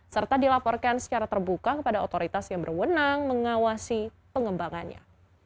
serta dilaporkan secara terbuka kepada otoritas yang berwenang mengawasi pengembangannya